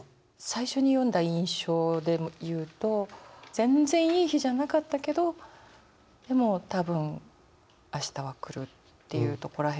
最初に読んだ印象で言うと全然いい日じゃなかったけどでも「たぶん明日はくる」っていうとこら